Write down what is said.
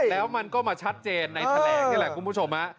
แล้วมันก็มาชัดเจนในแถลงนี่แหละคุณผู้ชม